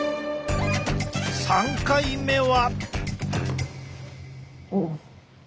３回目は？